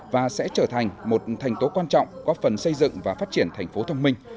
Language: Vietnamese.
và sẽ trở thành một thành tố quan trọng góp phần xây dựng và phát triển thành phố thông minh